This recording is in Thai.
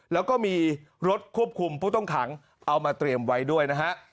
แล้วก็มีรถควบคุมผู้ต้องขังเอามาเตรียมไว้ด้วยนะฮะ